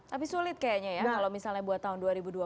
tapi sulit kayaknya ya kalau misalnya buat tahun dua ribu dua puluh